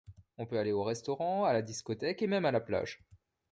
On peut aller au restaurant, à la discothèque et même à la plage.